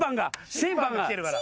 審判が来てるから。